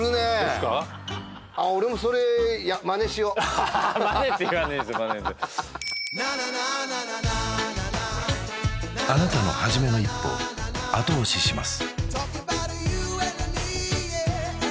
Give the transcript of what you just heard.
ですかあっ俺もそれマネしようマネって言わねえっすマネってあなたのはじめの一歩を後押しします